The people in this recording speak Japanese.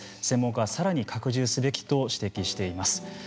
専門家は更に拡充すべきと指摘しています。